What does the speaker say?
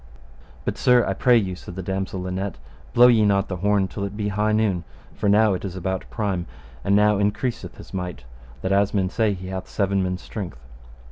But, sir, I pray you, said the damosel Linet, blow ye not the horn till it be high noon, for now it is about prime, and now increaseth his might, that as men say he hath seven men's strength.